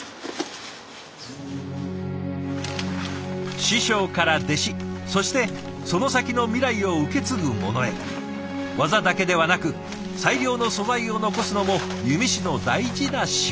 師匠から弟子そしてその先の未来を受け継ぐ者へ技だけではなく最良の素材を残すのも弓師の大事な仕事。